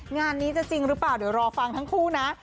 งานนี้จะจริงหรือเปล่าเดี๋ยวรอฟังทั้งคู่นะ